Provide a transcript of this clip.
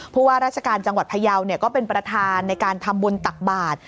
ว่าราชการจังหวัดพยาวก็เป็นประธานในการทำบุญตักบาท